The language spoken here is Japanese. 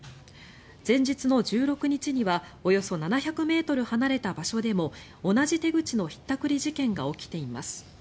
前日の１６日にはおよそ７００ｍ離れた場所でも同じ手口のひったくり事件が起きています。